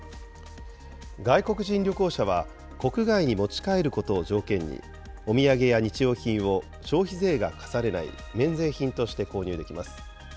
外国人旅行者は、国外に持ち帰ることを条件に、お土産や日用品を消費税が課されない免税品として購入できます。